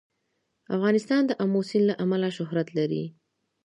افغانستان د آمو سیند له امله شهرت لري.